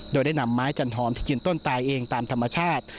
โดยได้นำไม้จันหอมที่กินต้นตายเองตามธรรมชาติ